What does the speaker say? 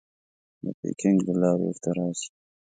د پیکنګ له لارې ورته راسې.